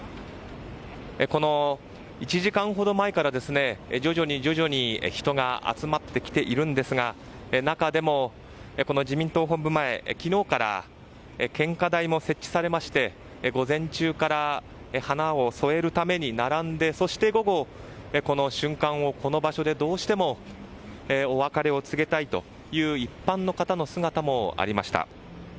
１時間ほど前から、徐々に人が集まってきているんですが中でもこの自民党本部前昨日から献花台も設置されまして午前中から花を添えるために並んでそして午後、この瞬間をこの場所でどうしてもお別れを告げたいという一般の方の姿もありました。